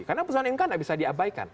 karena putusan mk tidak bisa diabaikan